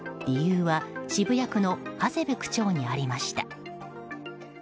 理由は渋谷区の長谷部区長にありました。